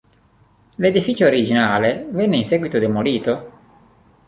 L'edificio originale venne in seguito demolito.